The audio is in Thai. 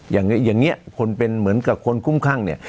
อย่างเงี้ยอย่างเงี้ยคนเป็นเหมือนกับคนคุ้มข้างเนี้ย